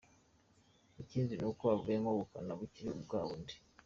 Ikindi ni uko avuyemo ubukana bukiri bwa bundi.